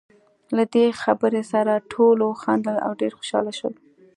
له دې خبرې سره ټولو وخندل، او ډېر خوشاله شول.